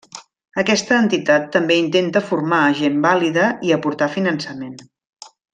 Aquesta entitat també intenta formar a gent vàlida i aportar finançament.